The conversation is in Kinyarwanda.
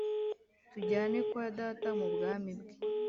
tujyane kwa data mu bwami bwe :